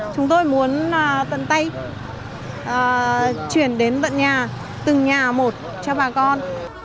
chúng tôi muốn tận tay chuyển đến tận nhà từng nhà một cho bà con